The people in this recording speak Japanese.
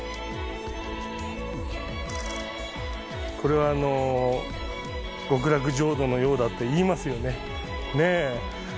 これは極楽浄土のようだと言いますよね。ねぇ。